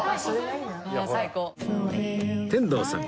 天童さん